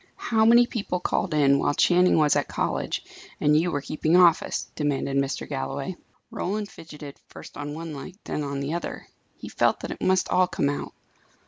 "How many people called in, while Channing was at college, and you were keeping office?" demanded Mr. Galloway. Roland fidgeted, first on one leg, then on the other. He felt that it must all come out.